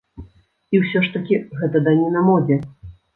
І ўсё ж такі гэта даніна модзе.